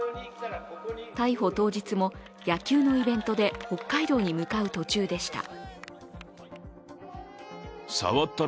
逮捕当日も、野球のイベントで北海道に向かう途中でした。